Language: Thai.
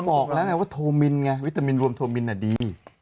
บอกแล้วไงว่าโทมินไงวิตามินรวมโทมินดี